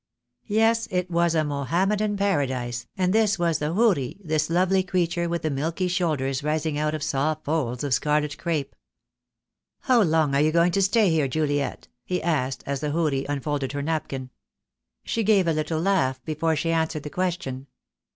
Yes, it was a Moham medan paradise, and this was the houri, this lovely creature THE DAY WILL COME. I 3 with the milky shoulders rising out of soft folds of scarlet crape. "How long are you going to stay here, Juliet ?" he asked, as the houri unfolded her napkin. She gave a little laugh before she answered the question.